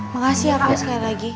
makasih ya pak sekali lagi